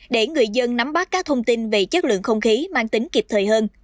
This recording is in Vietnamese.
để người dân nắm bắt các thông tin về chất lượng không khí mang tính kịp thời hơn